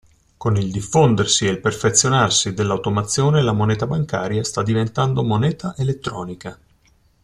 Con il diffondersi e il perfezionarsi dell'automazione la moneta bancaria sta diventando moneta elettronica.